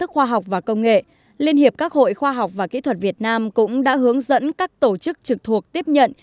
khoa học và công nghệ liên hiệp các hội khoa học và kỹ thuật việt nam cũng đã hướng dẫn các tổ chức trực thuộc tiếp nhận